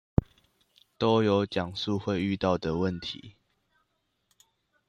都有講述會遇到的問題